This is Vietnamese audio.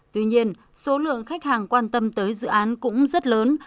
tuy nhiên số lượng khách hàng quan tâm tới dự án cũng rất lớn